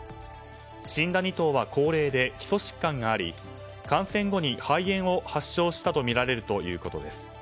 死んだ２頭は高齢で基礎疾患があり感染後に肺炎を発症したとみられるということです。